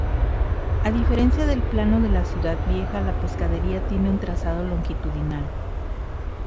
A diferencia del plano de la Ciudad Vieja, la Pescadería tiene un trazado longitudinal.